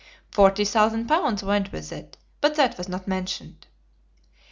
Forty thousand pounds went with it, but that was not mentioned.